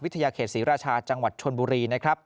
ทยาเขตศรีราชาจังหวัดชนบุรีนะครับ